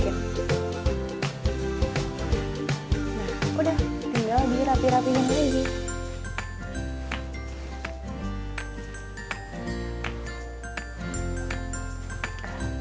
nah udah tinggal dirapin rapin lagi